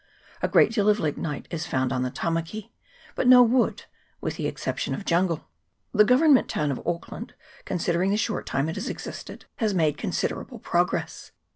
A great deal of lignite is found on the Tamaki, but no wood, with the exception of jungle. The government town of Auckland, considering CHAP. XX.] AUCKLAND. 281 the short time it lias existed, has made considerable progress.